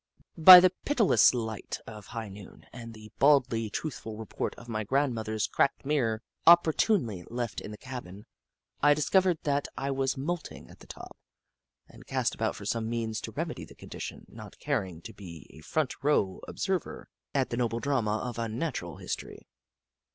By the pitiless light of high noon and the Jagg, the Skootaway Goat 31 baldly truthful report of my grandmother's cracked mirror, opportunely left in the cabin, I discovered that I was moulting at the top, and cast about for some means to remedy the condition, not caring to be a front row ob server at the noble drama of Unnatural History.